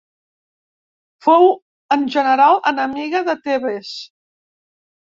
Fou en general enemiga de Tebes.